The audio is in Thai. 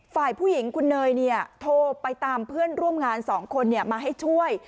ฝ่ายผู้หญิงคุณเนยโทรไปตามเพื่อนร่วมงาน๒คนมาให้ช่วย